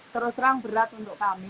terus terang berat untuk kami